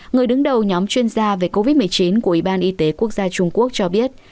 người đứng đầu nhóm chuyên gia về covid một mươi chín của ủy ban y tế quốc gia trung quốc cho biết